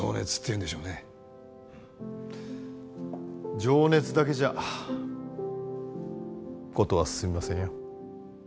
うん情熱だけじゃ事は進みませんよ